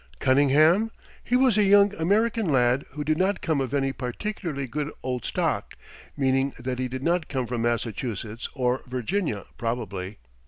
"Conyngham? He was a young American lad who did not come of any particularly good old stock, meaning that he did not come from Massachusetts or Virginia probably.